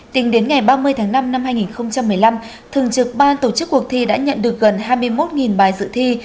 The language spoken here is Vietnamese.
tính đến ngày ba mươi tháng năm năm hai nghìn một mươi năm thường trực ban tổ chức cuộc thi đã nhận được gần hai mươi một bài dự thi